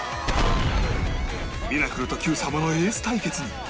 『ミラクル』と『Ｑ さま！！』のエース対決に